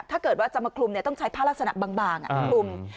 ถ้าเกิดว่าจะมาคลุมเนี่ยต้องใช้ผ้าราชนะบางอ่ะคลุม